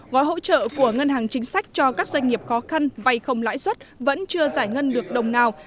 gói hỗ trợ của ngân hàng chính sách cho các doanh nghiệp khó khăn vay không lãi suất vẫn chưa giải ngân được đồng nào